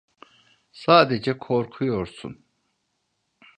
Sadece korkuyorsun.